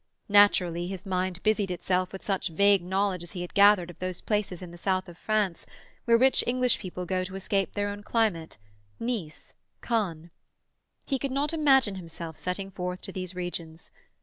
Naturally, his mind busied itself with such vague knowledge as he had gathered of those places in the South of France, where rich English people go to escape their own climate: Nice, Cannes. He could not imagine himself setting forth to these regions.